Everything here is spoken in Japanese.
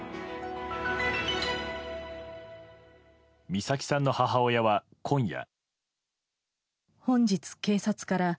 美咲さんの母親は、今夜。